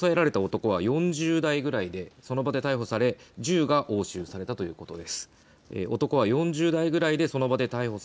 男は４０代くらいでその場で逮捕され銃が押収されたということです。